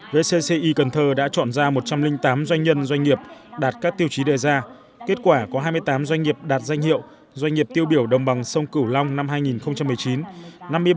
vcci cần thơ đã chọn ra một trăm linh tám doanh nhân doanh nghiệp đạt các tiêu chí đề ra kết quả có hai mươi tám doanh nghiệp đạt danh hiệu doanh nghiệp tiêu biểu đồng bằng sông cửu long năm hai nghìn một mươi chín